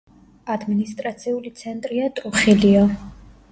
ადმინისტრაციული ცენტრია ტრუხილიო.